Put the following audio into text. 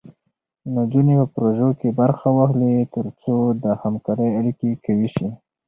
نجونې په پروژو کې برخه واخلي، تر څو د همکارۍ اړیکې قوي شي.